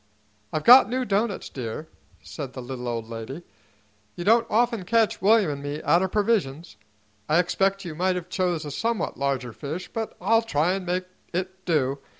"I've got new doughnuts, dear," said the little old lady. "You don't often catch William 'n' me out o' provisions. I expect you might have chose a somewhat larger fish, but I'll try an' make it do.